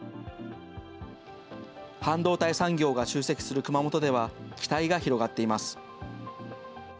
半導体産業が集積する熊本では、期待が広がっています。